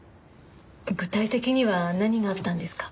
具体的には何があったんですか？